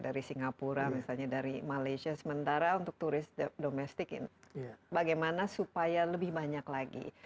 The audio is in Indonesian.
dari singapura misalnya dari malaysia sementara untuk turis domestik bagaimana supaya lebih banyak lagi